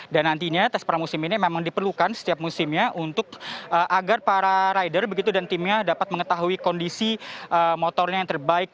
dan nantinya tes pramusim ini memang diperlukan setiap musimnya untuk agar para rider dan timnya dapat mengetahui kondisi motornya yang terbaik